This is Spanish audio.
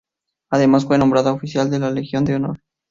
Además fue nombrada Oficial de la Legión de Honor.